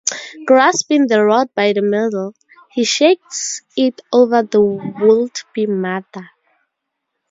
Grasping the rod by the middle, he shakes it over the would-be mother.